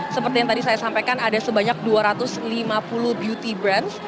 seperti yang tadi saya sampaikan ada sebanyak dua ratus lima puluh beauty brand